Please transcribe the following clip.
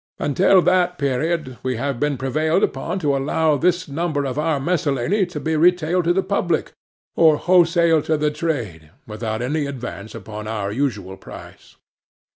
Until that period we have been prevailed upon to allow this number of our Miscellany to be retailed to the public, or wholesaled to the trade, without any advance upon our usual price.